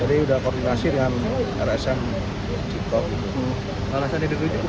jadi sudah koordinasi dengan rsud cipto